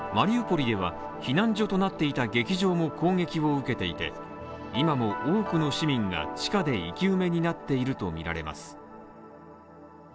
マリウポリでは避難所となっていた劇場も攻撃を受けていて今も多くの市民が地下で生き埋めになっているとみられます。